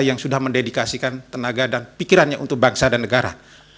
yang sudah mendedikasikan tenaga dan pikirannya untuk bangsa dan negara